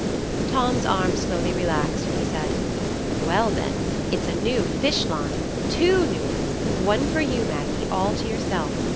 Tom's arm slowly relaxed, and he said, "Well, then, it's a new fish line—two new uns,—one for you, Maggie, all to yourself.